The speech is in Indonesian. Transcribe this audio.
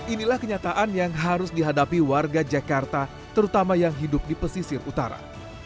inilah kenyataan yang harus dihadapi warga jakarta terutama yang hidup di pesisir utara